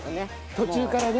途中からね。